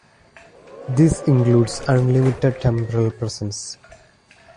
This includes unlimited temporal presence.